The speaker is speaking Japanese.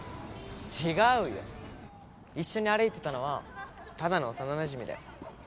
違うよ一緒に歩いてたのはただの幼なじみだよ